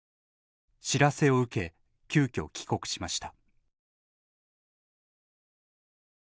知らせを受け急きょ帰国しました。